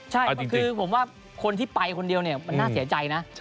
ใช่ก็คือผมว่าคนที่ไปคนเดียวเนี่ยมันน่าเสียใจนะ